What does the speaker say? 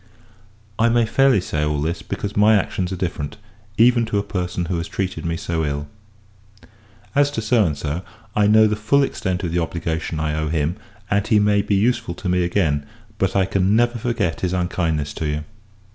I may fairly say all this; because my actions are different, even to a person who has treated me so ill. As to , I know the full extent of the obligation I owe him, and he may be useful to me again; but I can never forget his unkindness to you.